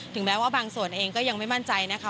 แม้ว่าบางส่วนเองก็ยังไม่มั่นใจนะคะ